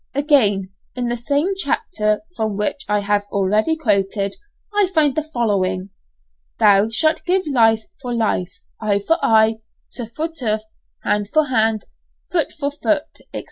Again, in the same chapter from which I have already quoted, I find the following, "Thou shalt give life for life, eye for eye, tooth for tooth, hand for hand, foot for foot, &c.